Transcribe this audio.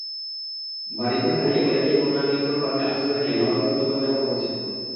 বাড়িঘর হারিয়ে অনেকেই বন্যানিয়ন্ত্রণ বাঁধে আশ্রয় নিয়ে মানবেতর জীবন যাপন করছে।